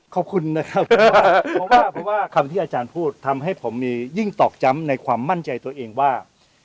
ขอบคุณนะครับเพราะว่าคำที่อาจารย์พูดทำให้ผมมียิ่งตอกย้ำในความมั่นใจตัวเองว่า